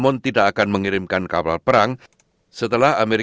untuk mengembalikan setiap hari